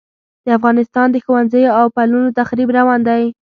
د افغانستان د ښوونځیو او پلونو تخریب روان دی.